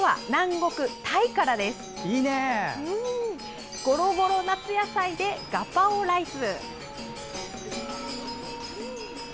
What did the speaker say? ゴロゴロ夏野菜でガパオライス。